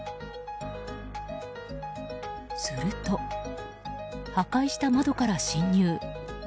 すると、破壊した窓から侵入。